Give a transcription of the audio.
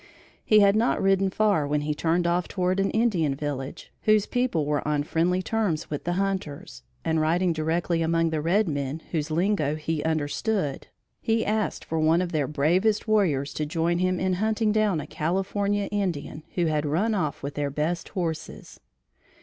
He had not ridden far when he turned off toward an Indian village, whose people were on friendly terms with the hunters, and, riding directly among the red men, whose lingo he understood, he asked for one of their bravest warriors to join him in hunting down a California Indian that had run off with their best horses.